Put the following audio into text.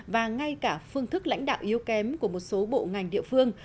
và ngay cả phương thức lãnh đạo yếu kém của một số bộ ngành địa phương